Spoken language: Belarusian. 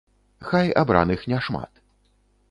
Хай абраных не шмат.